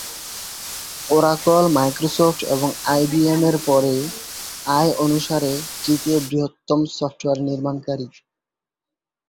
Oracle Microsoft এবং IBM পরে, আয় অনুসারে তৃতীয় বৃহত্তম সফটওয়্যার নির্মাণকারী।